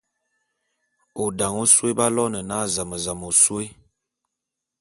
O dane ôsôé b'aloene na zam-zam ôsôé.